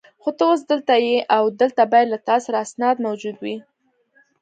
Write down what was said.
خو ته اوس دلته یې او دلته باید له تا سره اسناد موجود وي.